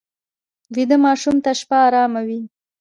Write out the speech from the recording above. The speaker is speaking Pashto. ویده ماشوم ته شپه ارامه وي